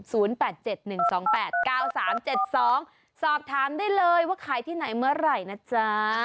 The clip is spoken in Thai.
สอบถามได้เลยว่าขายที่ไหนเมื่อไหร่นะจ๊ะ